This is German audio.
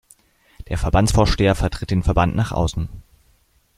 Der Verbandsvorsteher vertritt den Verband nach außen.